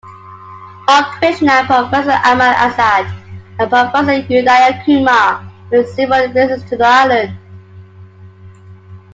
R. Krishnan, Professor Amal Azad and Professor Udayakumar made several visits to the Island.